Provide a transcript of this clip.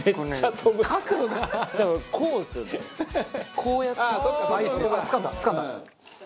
こうやって。